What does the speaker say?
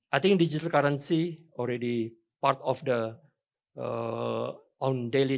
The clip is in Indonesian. saya pikir digitalisasi sudah menjadi bagian dari